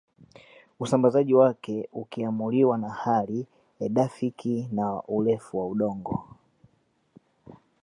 Usambazaji wake ukiamuliwa na hali edaphic na urefu wa udongo